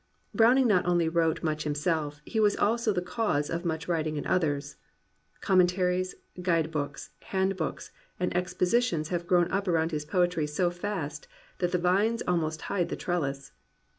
Browning not only wrote much himself, he was also the cause of much writing in others. Commen taries, guide books, handbooks, and expositions have grown up around his poetry so fast that the vines almost hide the trelHs.